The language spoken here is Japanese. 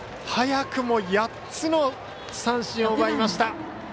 早くも８つの三振を奪いました。